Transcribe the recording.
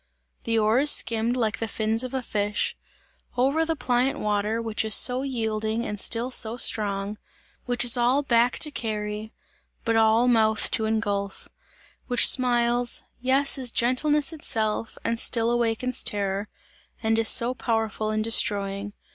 The oars skimmed like the fins of a fish, over the pliant water, which is so yielding and still so strong; which is all back to carry, but all mouth to engulph; which smiles yes, is gentleness itself, and still awakens terror and is so powerful in destroying.